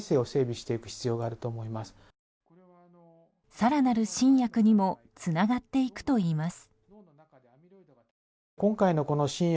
更なる新薬にもつながっていくといいます。